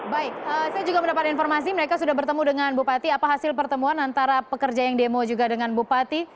baik saya juga mendapat informasi mereka sudah bertemu dengan bupati apa hasil pertemuan antara pekerja yang demo juga dengan bupati